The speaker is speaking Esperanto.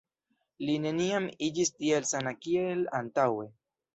Li neniam iĝis tiel sana kiel antaŭe.